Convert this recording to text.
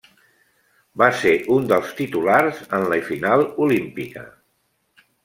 Va ser un dels titulars en la final olímpica.